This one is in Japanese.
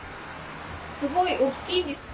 すごい大っきいんです。